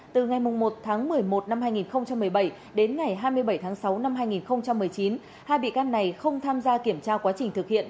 từ ngày một tháng một mươi một năm hai nghìn một mươi bảy đến ngày hai mươi bảy tháng sáu năm hai nghìn một mươi chín hai bị can này không tham gia kiểm tra quá trình thực hiện